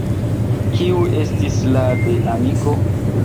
Kiu estis la de amiko?